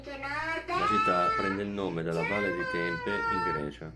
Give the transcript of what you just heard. La città prende il nome dalla valle di Tempe in Grecia.